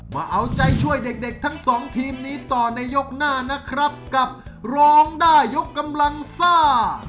มาเอาใจช่วยเด็กทั้งสองทีมนี้ต่อในยกหน้านะครับกับร้องได้ยกกำลังซ่า